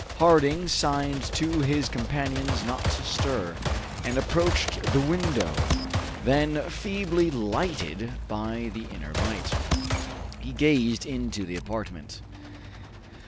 Harding signed to his companions not to stir, and approached the window, then feebly lighted by the inner light. He gazed into the apartment.